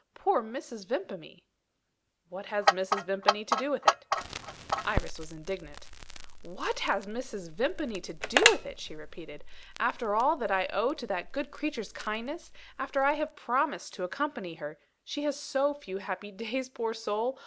Poor Mrs. Vimpany!" "What has Mrs. Vimpany to do with it?" Iris was indignant. "What has Mrs. Vimpany to do with it?" she repeated. "After all that I owe to that good creature's kindness; after I have promised to accompany her she has so few happy days, poor soul!